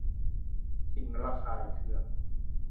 สิ่งระคายเคือง